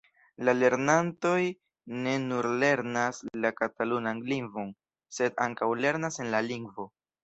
La lernantoj ne nur lernas la katalunan lingvon, sed ankaŭ lernas en la lingvo.